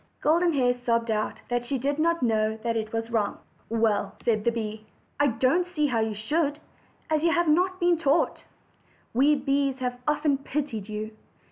Golden Hair sobbed out, "that she did not know it was wrong." 'Well," said the bee, "I don't see how you should, as you have not been taught. We bees have often pitied you.